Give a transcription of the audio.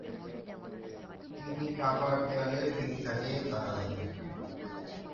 তিনি কাবার দেয়ালে পিঠ লাগিয়ে দাঁড়ালেন।